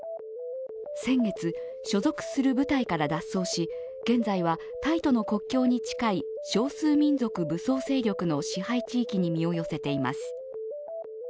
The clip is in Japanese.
先月、所属する部隊から脱走し現在はタイとの国境に近い少数民族武装勢力の支配地域に身を寄せています。